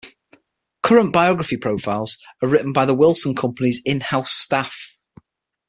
"Current Biography" profiles are written by the Wilson Company's in-house staff.